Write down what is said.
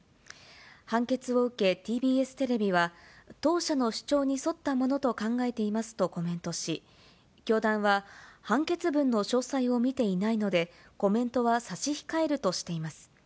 判決を受けＴＢＳテレビは、当社の主張に沿ったものと考えていますとコメントし、教団は判決文の詳細を見ていないので、コメントは差し控えるとしています。